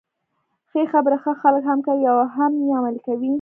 ښې خبري ښه خلک هم کوي او هم يې عملي کوي.